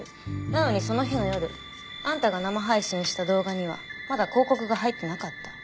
なのにその日の夜あんたが生配信した動画にはまだ広告が入ってなかった。